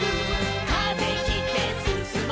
「風切ってすすもう」